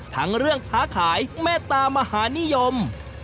ทั้งเรื่องค้าขายเมตตามหานิยม